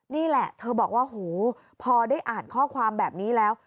นี่แหละเธอบอกว่าโหพอได้อ่านข้อความแบบนี้แล้ว